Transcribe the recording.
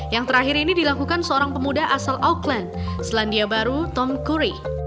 yang terakhir ini dilakukan seorang pemuda asal auckland selandia baru tom curry